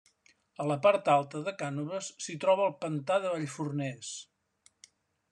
A la part alta de Cànoves s'hi troba el Pantà de Vallforners.